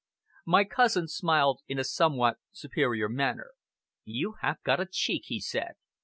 My cousin smiled in a somewhat superior manner. "You have got a cheek," he said.